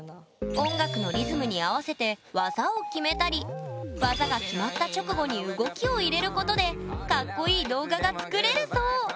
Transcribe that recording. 音楽のリズムに合わせて技を決めたり技が決まった直後に動きを入れることでカッコいい動画が作れるそう！